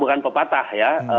bukan pepatah ya